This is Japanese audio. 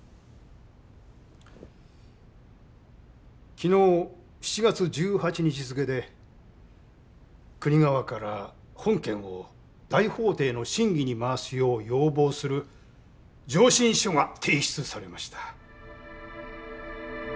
昨日７月１８日付で国側から本件を大法廷の審議に回すよう要望する「上申書」が提出されました。